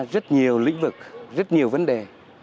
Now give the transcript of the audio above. rất nhiều lĩnh vực rất nhiều vấn đề